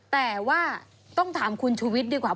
แต่ว่าต้องถามคุณชูวิทย์ดีกว่า